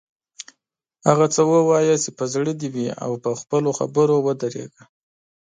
هغه څه ووایه چې په زړه دې وي او پر خپلو خبرو ودریږه.